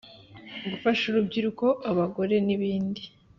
Gufasha urubyiruko abagore n ibindi